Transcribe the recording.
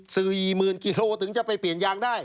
๔๐๐๐๐กิโลกรัมถึงจะไปเปลี่ยนยางได้